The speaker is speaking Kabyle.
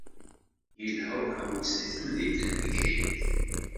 Ilha uḥewwes di temdint n Bgayet